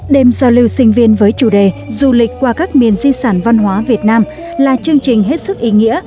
đêm giao lưu sinh viên với chủ đề du lịch qua các miền di sản văn hóa việt nam là chương trình hết sức ý nghĩa